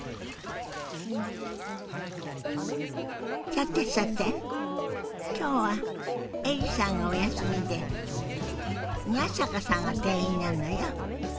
さてさて今日はエリさんがお休みで宮坂さんが店員なのよ。